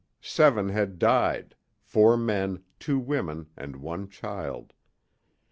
Seven had died four men, two women, and one child.